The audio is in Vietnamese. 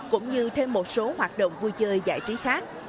cũng như thêm một số hoạt động vui chơi giải trí khác